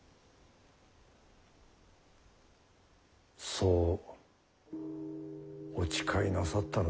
そうお誓いなさったのですね